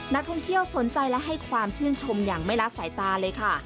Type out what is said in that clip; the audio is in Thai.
นักท่องเที่ยวสนใจและให้ความชื่นชมอย่างไม่ละสายตาเลยค่ะ